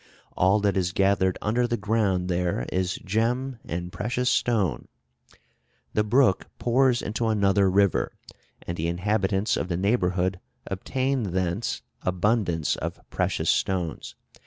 All that is gathered under the ground there is gem and precious stone. The brook pours into another river, and the inhabitants of the neighborhood obtain thence abundance of precious stones.